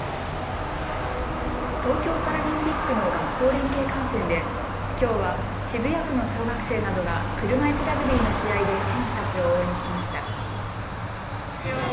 東京パラリンピックの学校連携観戦できょうは渋谷区の小学生などが車いすラグビーの試合で選手たちを応援しました。